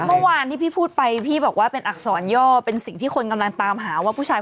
เมื่อวานที่พี่พูดไปพี่บอกว่าเป็นอักษรย่อเป็นสิ่งที่คนกำลังตามหาว่าผู้ชาย